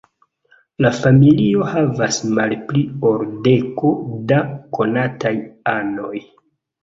La familio havas malpli ol deko da konataj anoj.